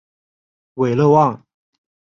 韦勒旺。